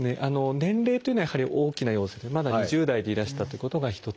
年齢というのはやはり大きな要素でまだ２０代でいらしたということが一つ。